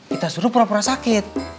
kita suruh pura pura sakit